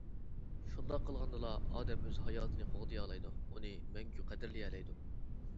شۇنداق قىلغاندىلا ئادەم ئۆز ھاياتىنى قوغدىيالايدۇ، ئۇنى مەڭگۈ قەدىرلىيەلەيدۇ.